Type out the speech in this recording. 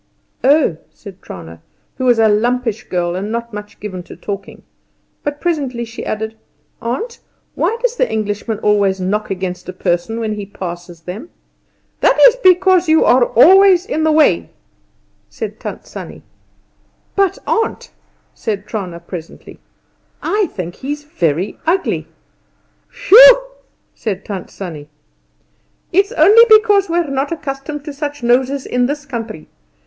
"Oh!" said Trana, who was a lumpish girl and not much given to talking; but presently she added, "Aunt, why does the Englishman always knock against a person when he passes them?" "That's because you are always in the way," said Tant Sannie. "But, aunt," said Trana, presently, "I think he is very ugly." "Phugh!" said Tant Sannie. "It's only because we're not accustomed to such noses in this country.